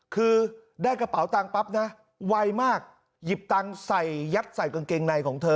คือได้กระเป๋าตังค์ปั๊บนะไวมากหยิบตังค์ใส่ยัดใส่กางเกงในของเธอ